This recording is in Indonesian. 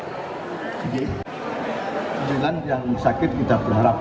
penyelidikan yang sakit tidak berharap